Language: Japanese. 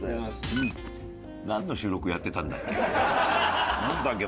なんの収録やってたんだっけ？